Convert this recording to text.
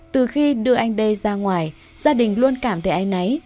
từ khi đưa anh đây ra ngoài gia đình luôn cảm thấy ái náy